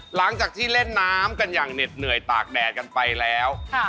หลังจากที่เล่นน้ำกันอย่างเหน็ดเหนื่อยตากแดดกันไปแล้ว